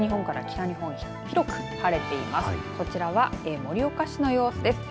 こちらは盛岡市の様子です。